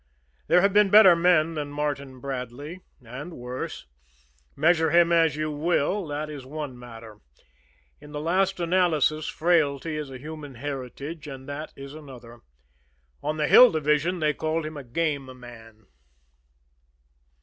There have been better men than Martin Bradley and worse. Measure him as you will, that is one matter; in the last analysis frailty is a human heritage, and that is another. On the Hill Division they called him a game man.